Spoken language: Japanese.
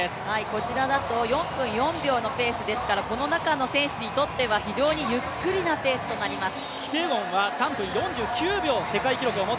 こちらだと４分４秒のペースですから、この中の選手にとっては非常にゆっくりなペースとなります。